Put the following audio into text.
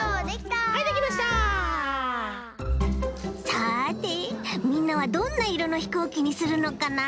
さてみんなはどんないろのひこうきにするのかな？